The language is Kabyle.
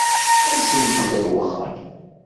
Asemt-d ar wexxam.